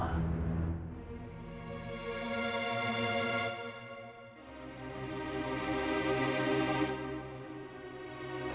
aku adalah penjual cinta